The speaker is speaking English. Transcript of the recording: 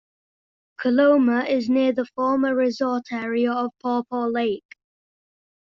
Coloma is near the former resort area of Paw Paw Lake.